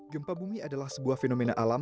gempa bumi adalah sebuah fenomena alam